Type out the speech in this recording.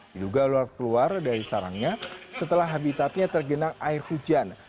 diduga ular keluar dari sarangnya setelah habitatnya tergenang air hujan